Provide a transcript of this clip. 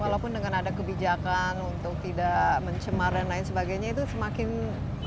walaupun dengan ada kebijakan untuk tidak mencemar dan lain sebagainya itu semakin